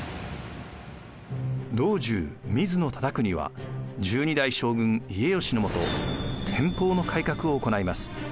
老中・水野忠邦は１２代将軍・家慶のもと天保の改革を行います。